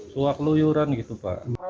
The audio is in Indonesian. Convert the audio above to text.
suat luyuran gitu pak